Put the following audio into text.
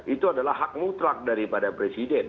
itu adalah hak mutlak daripada presiden